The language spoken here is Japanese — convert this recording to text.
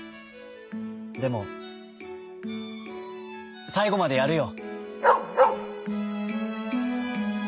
でもさいごまでやるよ」。